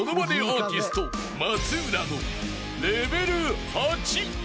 アーティスト松浦のレベル８］